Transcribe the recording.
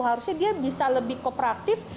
harusnya dia bisa lebih kooperatif